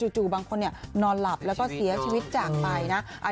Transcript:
บางคนนอนหลับแล้วก็เสียชีวิตจากไปนะ